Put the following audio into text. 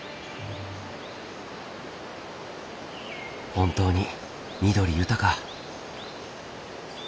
本当に緑豊か。